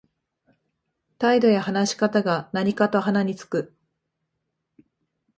態度や話し方が何かと鼻につく